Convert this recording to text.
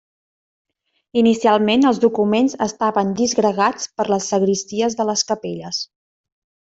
Inicialment els documents estaven disgregats per les sagristies de les capelles.